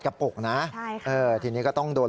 เราทำไปเพื่ออะไร๖โรงเรียน